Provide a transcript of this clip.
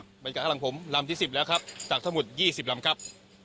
บรรกาศข้างหลังผมลำที่สิบแล้วครับตักทั้งหมดยี่สิบลำครับ